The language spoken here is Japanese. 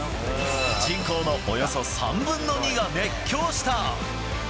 人口のおよそ３分の２が熱狂した。